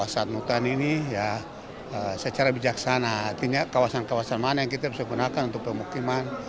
secara bijaksana artinya kawasan kawasan mana yang kita bisa gunakan untuk pemukiman